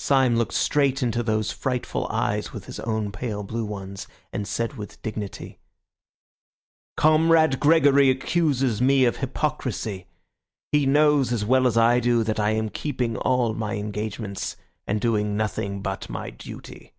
Syme looked straight into those frightful eyes with his own pale blue ones, and said with dignity— "Comrade Gregory accuses me of hypocrisy. He knows as well as I do that I am keeping all my engagements and doing nothing but my duty.